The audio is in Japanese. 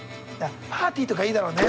パーティーとかいいだろうね。